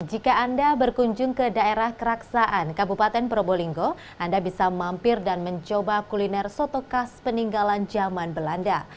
jika anda berkunjung ke daerah keraksaan kabupaten probolinggo anda bisa mampir dan mencoba kuliner soto khas peninggalan zaman belanda